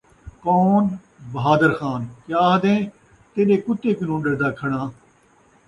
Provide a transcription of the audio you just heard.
کون؟ بہادر خان ، کیا آہدیں ؟ تیݙے کتے کنوں ݙردا کھڑاں